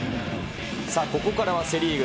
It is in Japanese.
さあ、ここからはセ・リーグ。